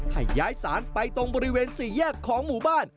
ให้ย้ายศาลไปตรงบริเวณสี่แยกของหมู่บ้าน